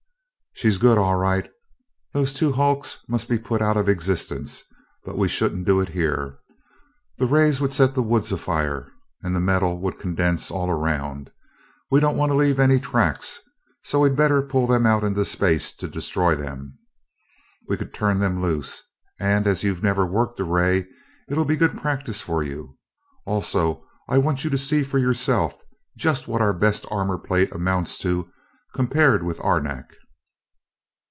"She's good, all right. Those two hulks must be put out of existence, but we shouldn't do it here. The rays would set the woods afire, and the metal would condense all around. We don't want to leave any tracks, so we'd better pull them out into space to destroy them. We could turn them loose, and as you've never worked a ray, it'll be good practice for you. Also, I want you to see for yourself just what our best armour plate amounts to compared with arenak."